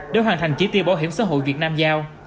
để hoàn thành chỉ tiêu bảo hiểm xã hội việt nam giao